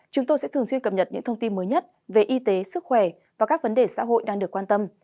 chúng tôi sẽ thường xuyên cập nhật những thông tin mới nhất về y tế sức khỏe và các vấn đề xã hội đang được quan tâm